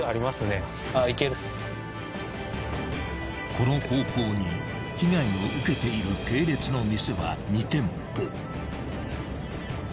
［この方向に被害を受けている系列の店は２店舗］